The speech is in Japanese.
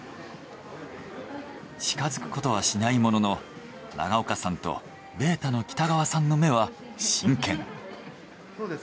近づくことはしないものの長岡さんとベータの北川さんの目は真剣。